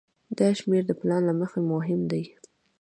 دا شمیرې د پلان لپاره مهمې دي.